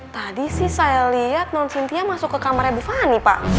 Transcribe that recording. tadi sih saya liat nonton cynthia masuk ke kamarnya di fanny pak